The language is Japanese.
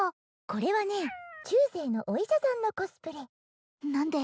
これはねえ中世のお医者さんのコスプレ何で？